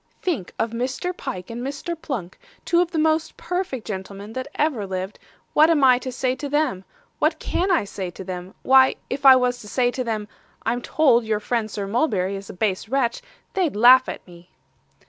'Think of Mr. Pyke and Mr Pluck, two of the most perfect gentlemen that ever lived, what am I too say to them what can I say to them? Why, if I was to say to them, "I'm told your friend Sir Mulberry is a base wretch," they'd laugh at me.